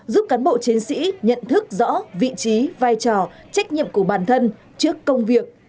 giúp cán bộ chiến sĩ nhận thức rõ vị trí vai trò trách nhiệm của bản thân trước công việc